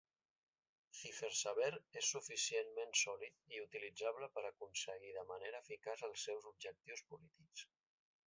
CipherSaber es suficientment sòlid i utilitzable per aconseguir de manera eficaç els seus objectius polítics.